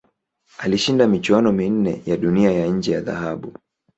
Alishinda michuano minne ya Dunia ya nje ya dhahabu.